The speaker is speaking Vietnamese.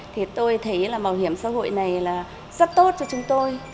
thì tôi thấy là bảo hiểm xã hội này là rất tốt cho chúng tôi